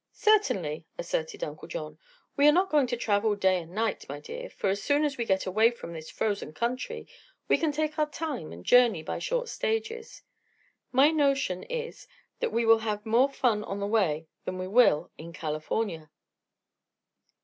"Certainly," asserted Uncle John. "We are not going to travel day and night, my dear, for as soon as we get away from this frozen country we can take our time and journey by short stages. My notion is that we will have more fun on the way than we will in California."